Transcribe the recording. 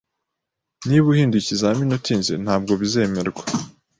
Niba uhinduye ikizamini utinze, ntabwo bizemerwa